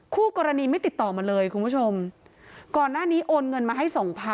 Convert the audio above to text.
คู่กรณีไม่ติดต่อมาเลยคุณผู้ชมก่อนหน้านี้โอนเงินมาให้สองพัน